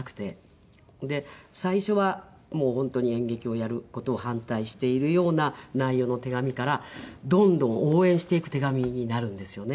で最初はもう本当に演劇をやる事を反対しているような内容の手紙からどんどん応援していく手紙になるんですよね。